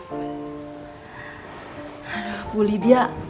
aduh pulih dia